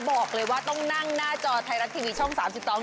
บอกเลยว่าต้องนั่งหน้าจอไทยรัฐทีวีช่อง๓๒